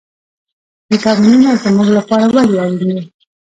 ویټامینونه زموږ لپاره ولې اړین دي